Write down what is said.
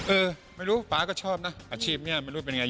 เออไม่รู้ป๊าก็ชอบนะอาชีพนี้ไม่รู้เป็นยังไง